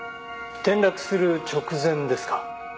転落する直前ですか？